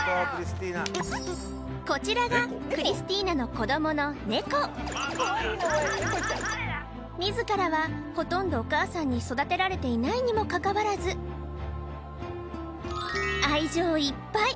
こちらがクリスティーナの子どものネコ自らはほとんどお母さんに育てられていないにもかかわらず愛情いっぱい！